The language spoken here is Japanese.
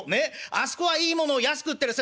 『あそこはいいものを安く売ってる瀬戸物屋。